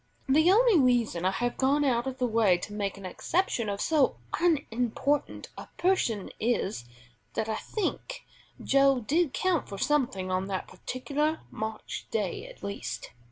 The only reason I have gone out of the way to make an exception of so unimportant a person is, that I think Joe did count for something on that particular March day at least.